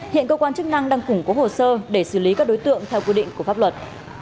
hiện cơ quan chức năng đang củng cố hồ sơ để xử lý các đối tượng theo quy định của pháp luật